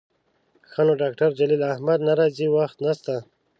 ښه نو ډاکتر جلیل احمد نه راځي، وخت نسته